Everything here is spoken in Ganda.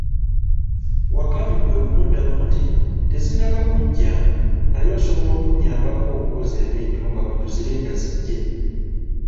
Wakamyu kwe kumuddamu nti, tezinnaba kuggya, naye osobola okunnyabako okwoza ebintu nga bwe tuzirinda ziggye.